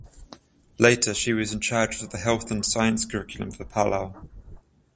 Later she was in charge of the Health and Science Curriculum for Palau.